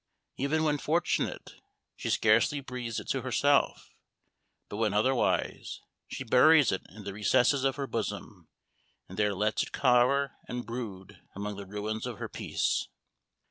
Even when fortunate, she scarcely breathes it to herself; but when otherwise, she buries it in the recesses of her bosom, and there lets it cower and brood among the ruins of her peace.